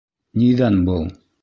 Ниҙән был?